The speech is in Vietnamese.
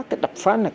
cái đập phá này